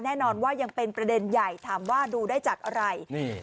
แน่นอนว่ายังเป็นประเด็นใหญ่ถามว่าดูได้จากอะไร